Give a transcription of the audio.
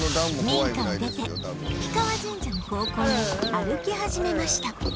民家を出て氷川神社の方向へ歩き始めました